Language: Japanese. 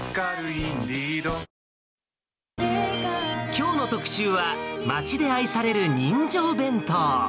きょうの特集は、町で愛される人情弁当。